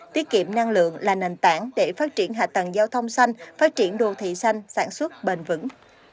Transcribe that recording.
tiết kiệm năng lượng là nền tảng để phát triển hạ tầng giao thông xanh phát triển đồ thị xanh sản xuất bền vững